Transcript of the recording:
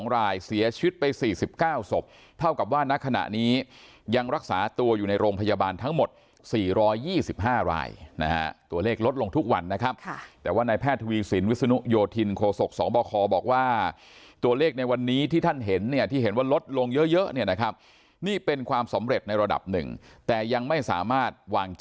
รายเสียชีวิตไป๔๙ศพเท่ากับว่าณขณะนี้ยังรักษาตัวอยู่ในโรงพยาบาลทั้งหมด๔๒๕รายนะฮะตัวเลขลดลงทุกวันนะครับแต่ว่านายแพทย์ทวีสินวิศนุโยธินโคศกสบคบอกว่าตัวเลขในวันนี้ที่ท่านเห็นเนี่ยที่เห็นว่าลดลงเยอะเนี่ยนะครับนี่เป็นความสำเร็จในระดับหนึ่งแต่ยังไม่สามารถวาง